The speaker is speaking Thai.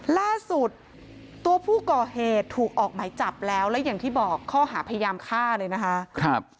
ล่าสุดตัวผู้ก่อเหตุถูกออกหมายจับแล้วและอย่างที่บอกข้อหาพยายามฆ่าเลยนะคะ